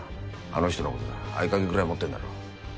あの人のことだ合鍵ぐらい持ってんだろ。